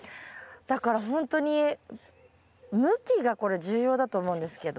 だからほんとに向きがこれ重要だと思うんですけど。